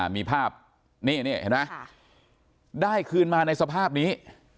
มีภาพนี่เห็นไหมได้คืนมาในสภาพนี้